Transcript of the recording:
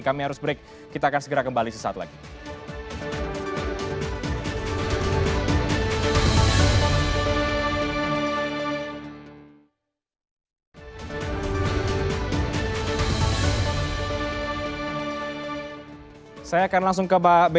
kami harus break